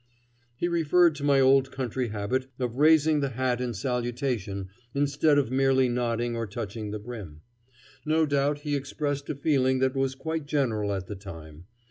He referred to my old country habit of raising the hat in salutation instead of merely nodding or touching the brim. No doubt he expressed a feeling that was quite general at the time.